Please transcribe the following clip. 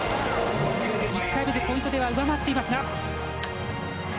１回目でポイントでは上回っていますが。